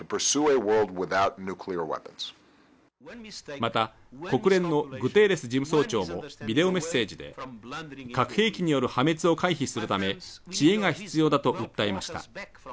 また、国連のグテーレス事務総長もビデオメッセージで、核兵器による破滅を回避するため知恵が必要だと訴えました。